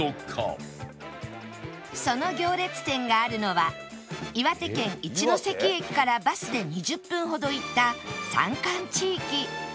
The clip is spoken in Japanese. その行列店があるのは岩手県一ノ関駅からバスで２０分ほど行った山間地域